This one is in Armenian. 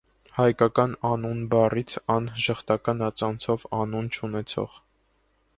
Հայկական «անուն» բառից, «ան» ժխտական ածանցով՝ անուն չունեցող։